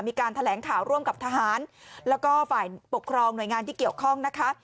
มีการแถลงข่าวร่วมกับทหารแล้วก็ฝ่ายปกครองหน่วยงานที่เกี่ยวข้องนะคะ